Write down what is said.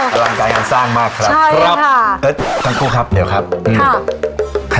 อ๋ออารางกายงานสร้างมากครับใช่ค่ะครับครับครับเดี๋ยวครับอืมค่ะ